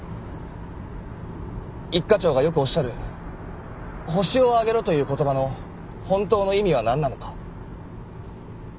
一課長がよくおっしゃる「ホシを挙げろ」という言葉の本当の意味はなんなのか。